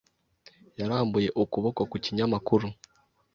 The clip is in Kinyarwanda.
Yarambuye ukuboko ku kinyamakuru.